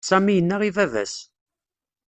Sami yenna i baba-s.